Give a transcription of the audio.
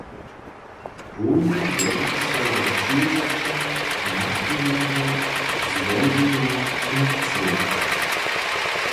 Hłownje jedna so wo přiwzaće nachwilneho złoženja funkcije.